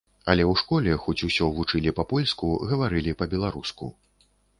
Але і ў школе, хоць усё вучылі па-польску, гаварылі па-беларуску.